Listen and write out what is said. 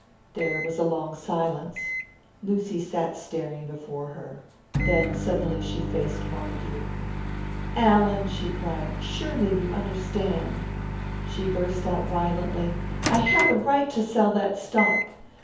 There was a long silence. Lucy sat staring before her. Then suddenly she faced Montague. "Allan!" she cried. "Surely you understand!" She burst out violently, "I had a right to sell that stock!